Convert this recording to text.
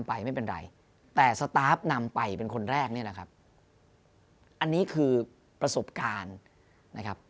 ไปเป็นคนแรกนี่แหละครับอันนี้คือประสบการณ์นะครับ